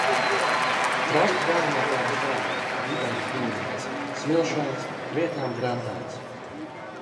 Krasti galvenokārt zemi, dibens dūņains, smilšains, vietām – grantains.